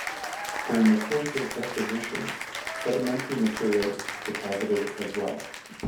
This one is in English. During the course of deposition sedimentary material is deposited as well.